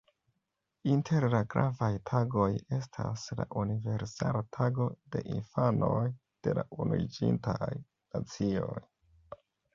Inter la gravaj tagoj estas la "Universala tago de infanoj" de la Unuiĝintaj Nacioj.